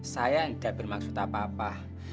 saya tidak bermaksud apa apa